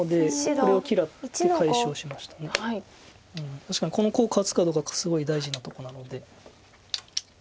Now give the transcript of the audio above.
確かにこのコウ勝つかどうかすごい大事なとこなので。